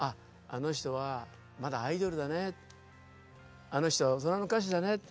あの人はまだアイドルだねってあの人は大人の歌手だね